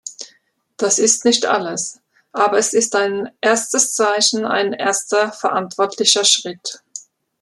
Das ist nicht alles, aber es ist ein erstes Zeichen, ein erster verantwortlicher Schritt.